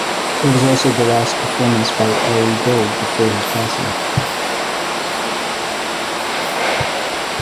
It was also the last performance by Ari Gold before his passing.